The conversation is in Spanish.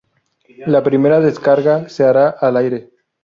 La primera descarga se hará al aire".